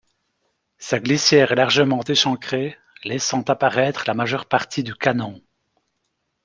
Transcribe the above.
Sa glissière est largement échancrée, laissant apparaître la majeure partie du canon.